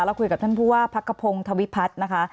คุยกับท่านผู้ว่าพักกระพงศวิพัฒน์นะคะ